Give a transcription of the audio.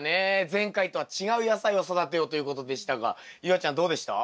前回とは違う野菜を育てようということでしたが夕空ちゃんどうでした？